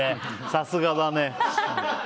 さすがだね。